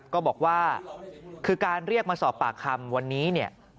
ก็บอกว่าคือการเรียกมาสอบปากคำวันนี้เนี่ย